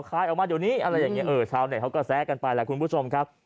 คลายออกมาเดี๋ยวนี้อะไรอย่างนี้เออชาวเน็ตเขาก็แซะกันไปแหละคุณผู้ชมครับ